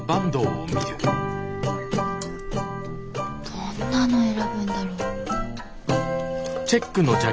どんなの選ぶんだろ？